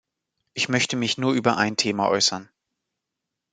Ich möchte mich nur über ein Thema äußern.